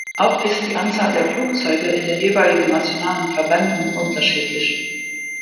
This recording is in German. Auch ist die Anzahl der Flugzeuge in den jeweiligen nationalen Verbänden unterschiedlich.